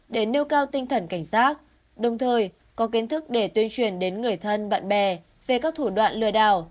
để nêu cao tinh thần cảnh giác đồng thời có kiến thức để tuyên truyền đến người thân bạn bè về các thủ đoạn lừa đảo